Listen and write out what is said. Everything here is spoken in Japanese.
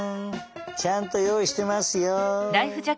ちゃんとよういしてますよ！